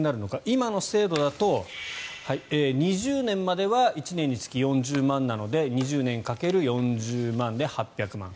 今の制度だと、２０年までは１年につき４０万なので２０年掛ける４０万で８００万。